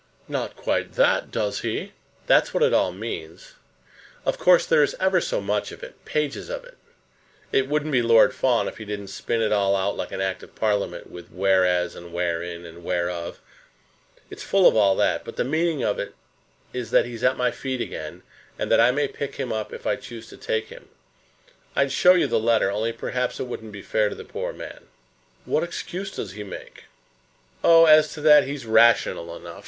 "Not quite that; does he?" "That's what it all means. Of course, there is ever so much of it, pages of it. It wouldn't be Lord Fawn if he didn't spin it all out like an Act of Parliament, with 'whereas' and 'wherein,' and 'whereof.' It is full of all that; but the meaning of it is that he's at my feet again, and that I may pick him up if I choose to take him. I'd show you the letter, only perhaps it wouldn't be fair to the poor man." "What excuse does he make?" "Oh, as to that he's rational enough.